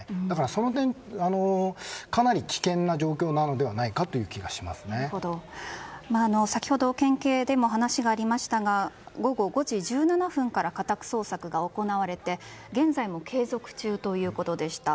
その点、かなり危険な状況なのではないかという気が先ほど県警でも話がありましたが午後５時１７分から家宅捜索が行われて現在も継続中ということでした。